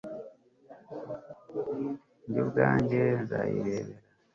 Jye ubwanjye nzayirebera